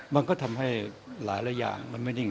มันก็ทำให้หลายอย่างมันไม่นิ่ง